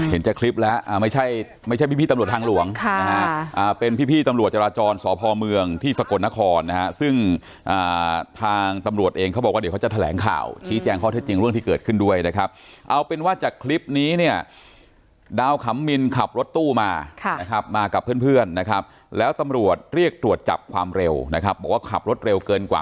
จากคลิปแล้วไม่ใช่ไม่ใช่พี่ตำรวจทางหลวงนะฮะเป็นพี่ตำรวจจราจรสพเมืองที่สกลนครนะฮะซึ่งทางตำรวจเองเขาบอกว่าเดี๋ยวเขาจะแถลงข่าวชี้แจงข้อเท็จจริงเรื่องที่เกิดขึ้นด้วยนะครับเอาเป็นว่าจากคลิปนี้เนี่ยดาวขำมินขับรถตู้มานะครับมากับเพื่อนนะครับแล้วตำรวจเรียกตรวจจับความเร็วนะครับบอกว่าขับรถเร็วเกินกว่า